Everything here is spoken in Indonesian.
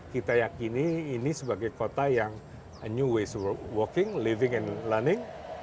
kita yakini ini sebagai kota yang a new ways of working living and learning